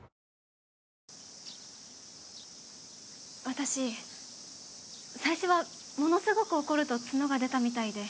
私最初はものすごく怒ると角が出たみたいで。